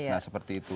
nah seperti itu